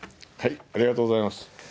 ありがとうございます。